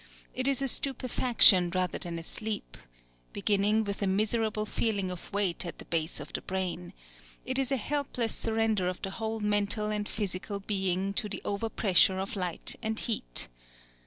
It is a stupefaction rather than a sleep, beginning with a miserable feeling of weight at the base of the brain: it is a helpless surrender of the whole mental and physical being to the overpressure of light and heat.